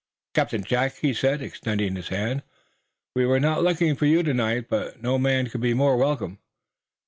"Captain Jack," he said extending his hand. "We were not looking for you tonight, but no man could be more welcome.